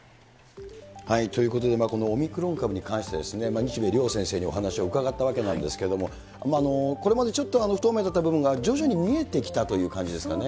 ということで、このオミクロン株に関して、日米両先生にお話を伺ったわけなんですけれども、まあ、これまでちょっと不透明だった部分が徐々に見えてきたという感じそうですね。